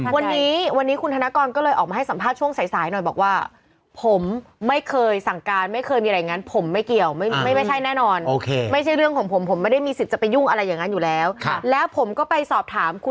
ตอบถามคุณอนุชาแล้วเหมือนกันรู้เรื่องหรือเปล่า